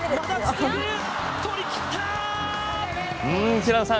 平野さん